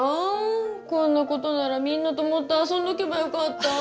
こんなことならみんなともっと遊んどけばよかった！